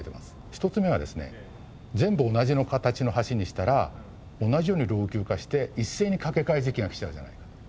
１つ目はですね全部同じ形の橋にしたら同じように老朽化して一斉にかけ替え時期が来ちゃうじゃないか。